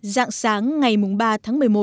dạng sáng ngay bây giờ